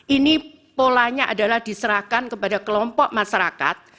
ini polanya adalah diserahkan kepada kelompok masyarakat